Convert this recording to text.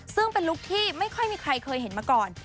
ซึ่งเป็นลุคที่ไม่ค่อยมีใครเคยเห็นมาก่อน